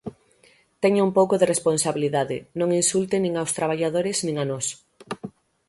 Teña un pouco de responsabilidade, non insulte nin aos traballadores nin a nós.